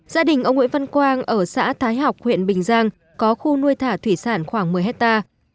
gia đình ông nguyễn văn quang ở xã thái học huyện bình giang có khu nuôi thả thủy sản khoảng một mươi hectare